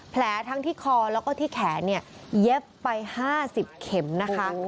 ทั้งที่คอแล้วก็ที่แขนเนี่ยเย็บไป๕๐เข็มนะคะ